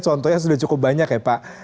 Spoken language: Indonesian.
contohnya sudah cukup banyak ya pak